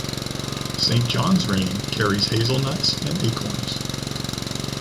Saint John’s rain carries hazelnuts and acorns.